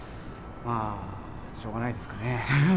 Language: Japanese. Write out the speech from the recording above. しょうがないですかね。